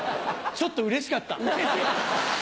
ちょっとうれしかった。